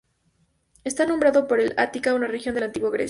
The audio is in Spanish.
Está nombrado por el Ática, una región de la antigua Grecia.